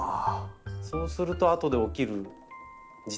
そうするとあとで起きる事態は。